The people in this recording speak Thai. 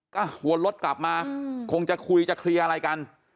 ก็วนรถกลับมาคงจะคุยจะเคลียร์อะไรกัน